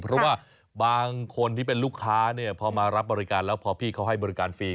เพราะว่าบางคนที่เป็นลูกค้าเนี่ยพอมารับบริการแล้วพอพี่เขาให้บริการฟรี